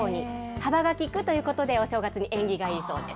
はばが利くということで、お正月に縁起がいいそうです。